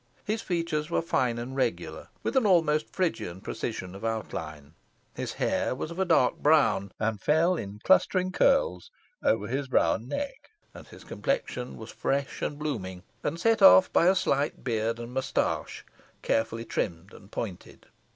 His features were fine and regular, with an almost Phrygian precision of outline; his hair was of a dark brown, and fell in clustering curls over his brow and neck; and his complexion was fresh and blooming, and set off by a slight beard and mustache, carefully trimmed and pointed.